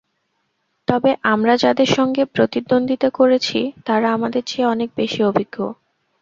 তবে আমরা যাদের সঙ্গে প্রতিদ্বন্দ্বিতা করেছি, তারা আমাদের চেয়ে অনেক বেশি অভিজ্ঞ।